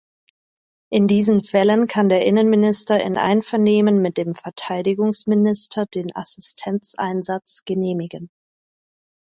In diesen Fällen kann der Innenminister in Einvernehmen mit dem Verteidigungsminister den Assistenzeinsatz genehmigen.